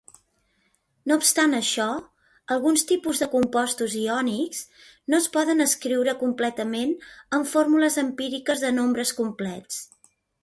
No obstant això, alguns tipus de compostos iònics no es poden escriure completament amb formules empíriques de nombres complets.